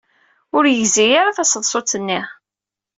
Ur yegzi ara taseḍsut-nni.